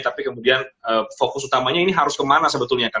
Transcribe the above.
tapi kemudian fokus utamanya ini harus kemana sebetulnya kang